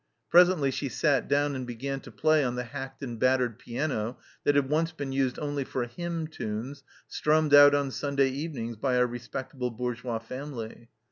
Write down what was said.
Presently she sat down and began to play on the hacked and battered piano, that had once been used only for hymn tunes strummed out on Sunday evenings by a respectable bourgeois family.